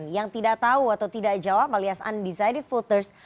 yang tidak tahu atau tidak jawab alias undecided voters